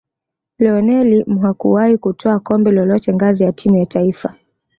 lionel mhakuwahi kutwaa kombe lolote ngazi ya timu ya taifa